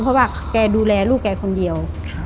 เพราะว่าแกดูแลลูกแกคนเดียว